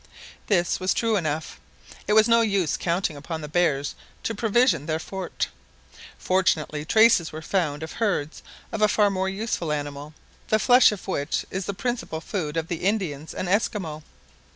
This was true enough. It was no use counting upon the bears to provision their fort. Fortunately traces were presently found of herds of a far more useful animal, the flesh of which is the principal food of the Indians and Esquimaux.